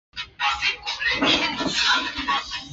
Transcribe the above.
斯里兰卡隔保克海峡和印度相望。